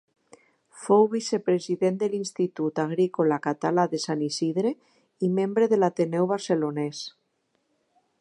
Fou vicepresident de l'Institut Agrícola Català de Sant Isidre i membre de l'Ateneu Barcelonès.